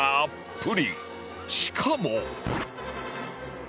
しかも